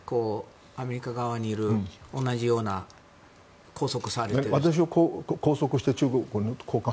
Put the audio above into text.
アメリカ側にいる同じような拘束されてる人と。